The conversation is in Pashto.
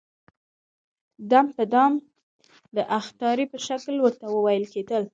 دم په دم د اخطارې په شکل ورته وويل کېدل.